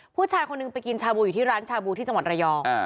ผู้ชายคนหนึ่งไปกินชาบูอยู่ที่ร้านชาบูที่จังหวัดระยอง